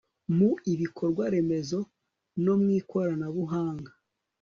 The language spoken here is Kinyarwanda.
mu ibikorwa remezo, no mu ikoranabuhanga